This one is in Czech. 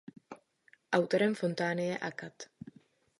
Autorem fontány je akad.